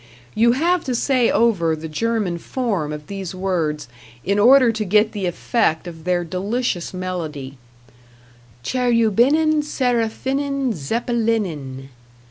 You have to say over the German form of these words in order to get the effect of their delicious melody "Cherubinen, Seraphinen, Zeppelinen!"